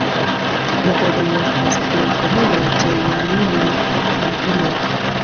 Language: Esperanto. Klopodoj estas plej komunaj ĉe junuloj kaj inoj.